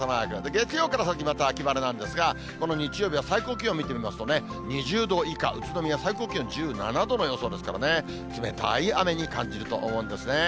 月曜から先、また秋晴れなんですが、この日曜日は最高気温見てみますとね、２０度以下、宇都宮最高気温１７度の予想ですからね、冷たい雨に感じると思うんですね。